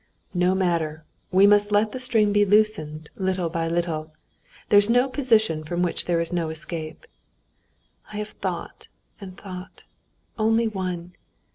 "No matter, we must let the string be loosened, little by little. There's no position from which there is no way of escape." "I have thought, and thought. Only one...."